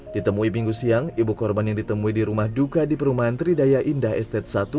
ditemui minggu siang ibu korban yang ditemui di rumah duka di perumahan tridaya indah estate satu